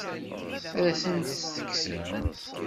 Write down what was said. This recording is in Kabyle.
Ad asent-tt-tekksem?